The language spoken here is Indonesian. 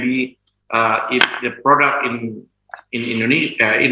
jika produk di indonesia